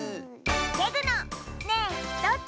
レグの「ねえどっち？」。